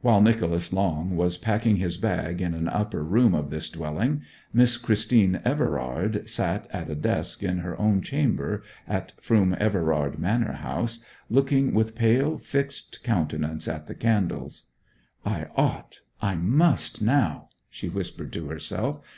While Nicholas Long was packing his bag in an upper room of this dwelling, Miss Christine Everard sat at a desk in her own chamber at Froom Everard manor house, looking with pale fixed countenance at the candles. 'I ought I must now!' she whispered to herself.